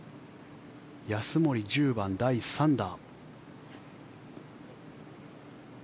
安森、１０番、第３打。